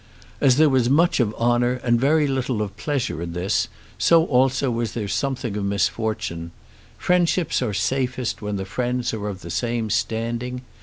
As there was much of honour and very much of pleasure in this, so also was there something of misfortune. Friendships are safest when the friends are of the same standing.